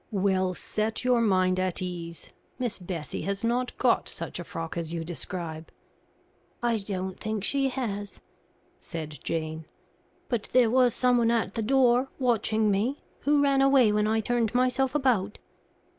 "Well, set your mind at ease; Miss Bessie has not got such a frock as you describe." "I don't think she has," said Jane; "but there was someone at the door, watching me, who ran away when I turned myself about."